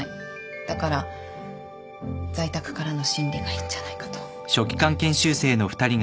だから在宅からの審理がいいんじゃないかと。